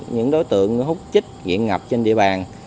những đối tượng hút chích diện ngập trên địa bàn